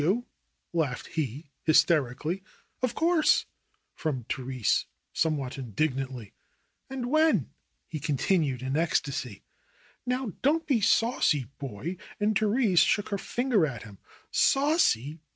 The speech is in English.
"Did you ?" laughed he hysterically. "Of course !" from Therese somewhat indignantly. "And when?" he continued in ecstasy. "Now don't be saucy, boy 1" And Therese shook her finger at him. "Saucy!